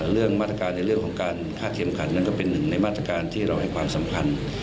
เรื่องมาตรการในเรื่องของการฆ่าเข็มขัดนั้นก็เป็นหนึ่งในมาตรการที่เราให้ความสำคัญ